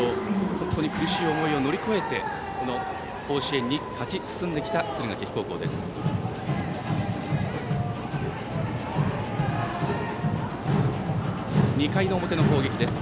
本当に苦しい思いを乗り越えて甲子園に勝ち進んできた敦賀気比高校です。